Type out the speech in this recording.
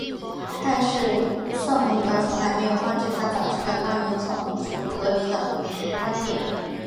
但是瑟蒙德从来没有放弃他早期的关于种族隔离的观点。